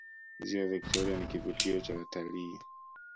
ziwa victoria ni kivutio cha watalii